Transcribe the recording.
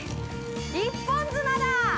一本綱だ。